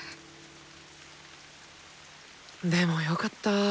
でもよかった。